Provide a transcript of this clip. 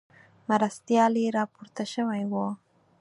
مرستیال یې راپورته شوی وو.